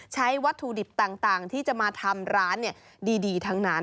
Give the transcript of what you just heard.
ใช้วัตถุดิบต่างที่จะมาทำร้านดีทั้งนั้น